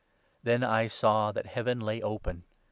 Then I saw that Heaven lay open.